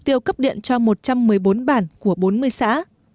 tiêu cấp điện cho một trăm một mươi bốn bản của bốn mươi xã